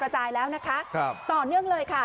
แต่กลับไปแล้วนะคะต่อเนื่องเลยค่ะ